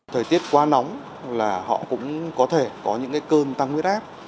thời tiết quá nóng là họ cũng có thể có những cơn tăng huyết áp